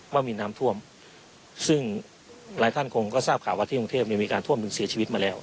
ว่ามีน้ำท่วมซึ่งหลายท่านคงก็ทราบข่าวว่าที่กรุงเทพมีการท่วมจนเสียชีวิตมาแล้ว